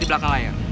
di belakang layar